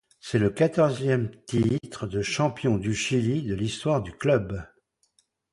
C'est le quatorzième titre de champion du Chili de l'histoire du club.